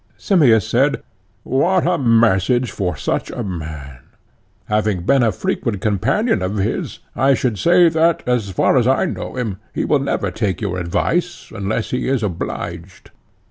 Simmias said: What a message for such a man! having been a frequent companion of his I should say that, as far as I know him, he will never take your advice unless he is obliged.